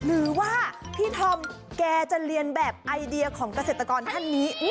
หรือว่าพี่ธอมแกจะเรียนแบบไอเดียของเกษตรกรท่านนี้